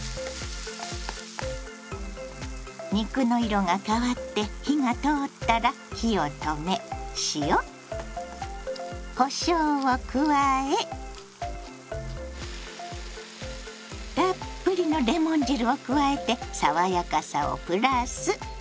肉の色が変わって火が通ったら火を止め塩こしょうを加えたっぷりのレモン汁を加えて爽やかさをプラス。